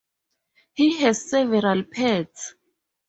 He has several pets.